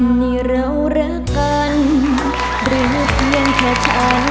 ๓หมื่นบาท